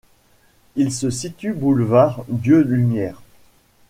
Il se situe boulevard Dieu Lumière.